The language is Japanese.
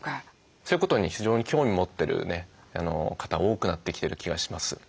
そういうことに非常に興味持ってる方多くなってきてる気がします。